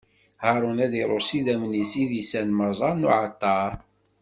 Haṛun ad iṛucc s idammen-is idisan meṛṛa n uɛalṭar.